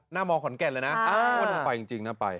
หน้ามองขอนแก่นเลยนะวันฝ่ายจริงหน้าไป